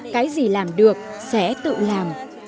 cái gì làm được sẽ tự làm